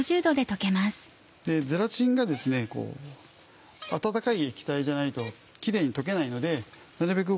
ゼラチンが温かい液体じゃないとキレイに溶けないのでなるべく